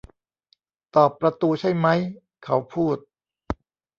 'ตอบประตูใช่มั้ย' เขาพูด